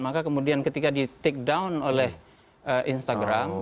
maka kemudian ketika di take down oleh instagram